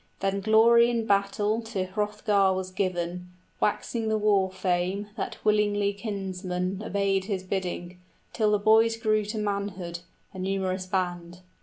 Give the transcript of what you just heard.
Then glory in battle to Hrothgar was given, Waxing of war fame, that willingly kinsmen Obeyed his bidding, till the boys grew to manhood, 15 A numerous band.